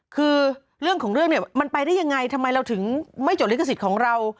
คือเรื่องของเรื่องเนี่ยมันไปได้ยังไงทำไมเราถึงไม่จดลิขสิทธิ์ของเรา